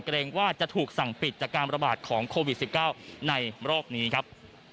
เกรงว่าจะถูกสั่งปิดจากการระบาดของโควิด๑๙ในรอบนี้ครับ